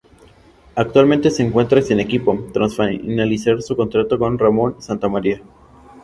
Actualmente se encuentra sin equipo, tras finalizar su contrato con Ramón Santamarina.